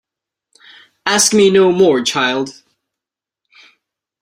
Ask me no more, child!